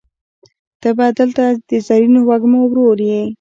ته به دلته د زرینو وږمو ورور یې